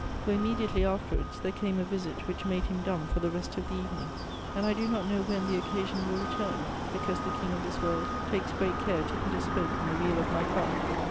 For, immediately afterwards, there came a visit which made him dumb for the rest of the evening, and I do not know when the occasion will return, because the king of this world takes great care to put a spoke in the wheel of my cart.